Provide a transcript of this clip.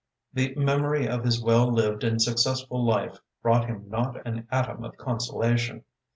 The memory of his well lived and successful life brought him not an atom of consolation.